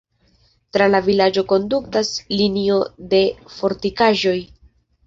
Tra la vilaĝo kondukas linio de fortikaĵoj.